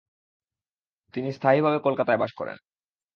তিনি কলকাতার স্থায়ীভাবে কলকাতায় বসবাস করেন।